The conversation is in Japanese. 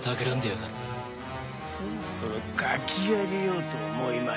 そろそろ書き上げようと思いましてねえ。